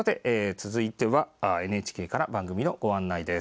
続いては、ＮＨＫから番組のご案内です。